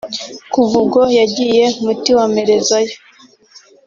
Kuva ubwo yagiye muti wa mperezayo